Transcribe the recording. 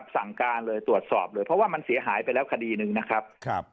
สั่งการเลยตรวจสอบเลยเพราะว่ามันเสียหายไปแล้วคดีหนึ่งนะครับ